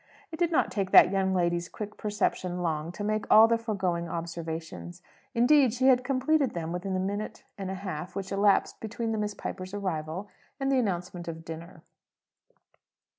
It did not take that young lady's quick perception long to make all the foregoing observations. Indeed, she had completed them within the minute and a half which elapsed between the Miss Pipers' arrival, and the announcement of dinner.